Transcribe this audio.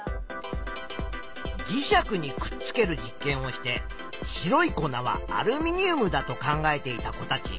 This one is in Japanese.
磁石にくっつける実験をして白い粉はアルミニウムだと考えていた子たち。